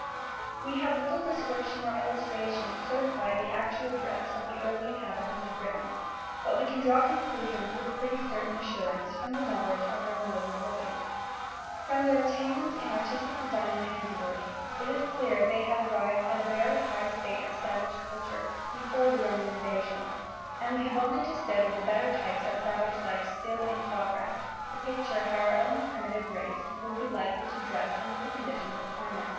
We have little description or illustration to certify the actual dress of the early inhabitants of Britain, but we can draw conclusions with pretty certain assurance, from the knowledge of their mode of living. From their attainments in artistic design and handiwork, it is clear they had arrived at a very high state of savage culture before the Roman invasion; and we have only to study the better types of savage life still in progress, to picture how our own primitive race would be likely to dress under the conditions of climate.